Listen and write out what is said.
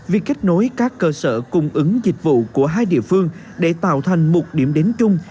việc kết nối các cơ sở cung ứng dịch vụ của hai địa phương để tạo thành một điểm đến chung